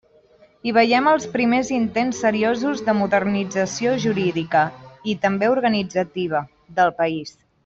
Hi veiem els primers intents seriosos de modernització jurídica, i també organitzativa, del país.